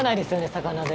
魚で。